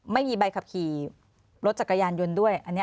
ไม่มีใบขับขี่รถจักรยานยนต์ด้วย